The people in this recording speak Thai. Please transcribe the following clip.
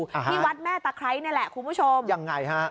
ที่วัดแม่ตะไคร้นี่แหละคุณผู้ชมยังไงฮะ